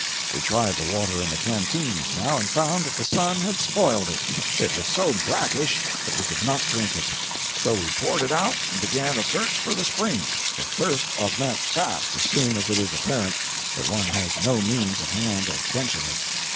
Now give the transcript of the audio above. We tried the water in the canteens, now, and found that the sun had spoiled it; it was so brackish that we could not drink it; so we poured it out and began a search for the spring—for thirst augments fast as soon as it is apparent that one has no means at hand of quenching it.